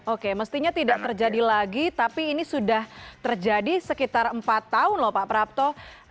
oke mestinya tidak terjadi lagi tapi ini sudah terjadi sekitar empat tahun loh pak prapto